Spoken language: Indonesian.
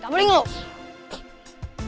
gak boleh ngus